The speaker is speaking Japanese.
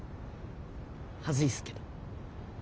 恥ずいっすけど。